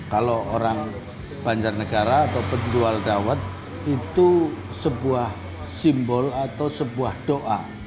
kalau orang banjar negara atau penjual dawat itu sebuah simbol atau sebuah doa